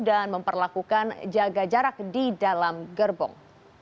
dan memperlakukan jaga jarak di dalam gerbong